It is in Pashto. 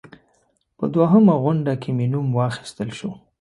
په دوهمه غونډه کې مې نوم واخیستل شو.